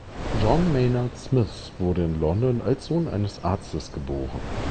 John Maynard Smith wurde in London als Sohn eines Arztes geboren.